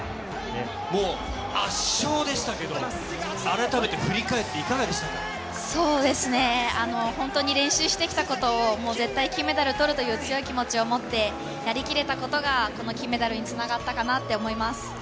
もう、圧勝でしたけども、改めてそうですね、本当に練習してきたことを、もう絶対金メダルとるという、強い気持ちを持ってやりきれたことが、この金メダルにつながったかなと思います。